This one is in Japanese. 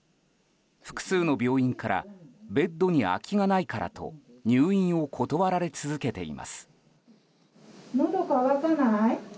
複数の病院からベッドに空きがないからと入院を断られ続けています。